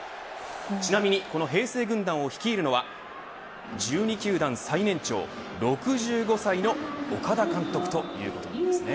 ちなみにこの平成軍団を率いるのは１２球団最年長６５歳の岡田監督ということです。